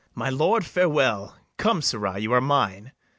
] My lord, farewell. Come, sirrah; you are mine.